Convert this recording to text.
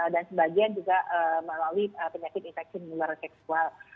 dan sebagian juga melalui penyakit infeksi mular seksual